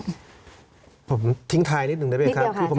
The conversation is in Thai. ผมทิ้งทายนิดหนึ่งได้ไหมฮะครับนิดเดียวค่ะ